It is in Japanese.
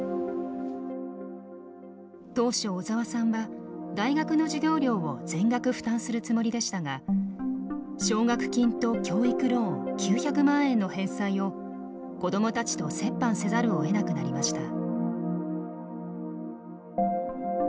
当初小沢さんは大学の授業料を全額負担するつもりでしたが奨学金と教育ローン９００万円の返済を子どもたちと折半せざるをえなくなりました。